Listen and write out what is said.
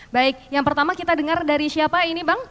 baik yang pertama kita dengar dari siapa ini bang